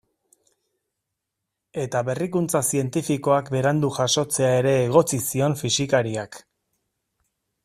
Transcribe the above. Eta berrikuntza zientifikoak berandu jasotzea ere egotzi zion fisikariak.